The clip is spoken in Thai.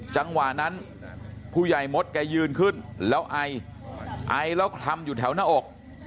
จังหวะนั้นผู้ใหญ่มดแกยืนขึ้นแล้วไอไอแล้วคลำอยู่แถวหน้าอก